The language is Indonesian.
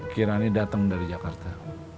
kirani dateng dari jakarta